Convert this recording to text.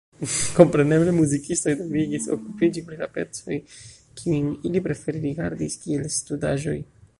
Kompreneble muzikistoj daŭrigis okupiĝi pri la pecoj, kiujn ili prefere rigardis kiel studaĵoj.